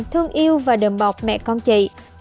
thương yêu và đừng bọc mẹ con chị